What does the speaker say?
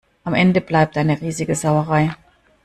Am Ende bleibt eine riesige Sauerei.